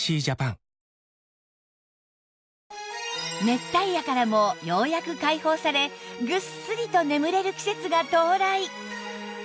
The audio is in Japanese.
熱帯夜からもようやく解放されぐっすりと眠れる季節が到来！